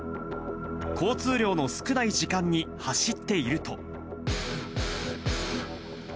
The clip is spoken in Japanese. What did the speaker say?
交通量の少ない時間に走っていると。